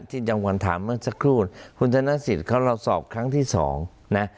จำวันถามเมื่อสักครู่คุณธนสิทธิ์เขาเราสอบครั้งที่สองนะ